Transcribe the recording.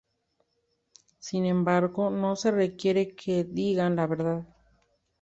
Sin embargo, no se requiere que digan la verdad.